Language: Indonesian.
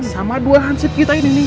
sama dua hanship kita ini nih